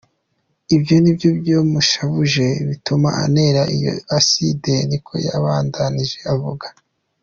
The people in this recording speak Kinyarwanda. "Ivyo ni vyo vyamushavuje bituma antera iyo aside," niko yabandanije avuga.